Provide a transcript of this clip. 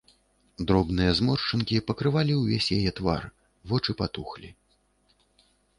Дробныя зморшчынкі пакрывалі ўвесь яе твар, вочы патухлі.